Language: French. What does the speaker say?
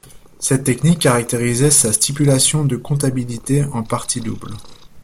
Cette technique caractérisait sa stipulation de comptabilité en partie double.